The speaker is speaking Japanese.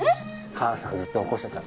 母さんずっと起こしてた。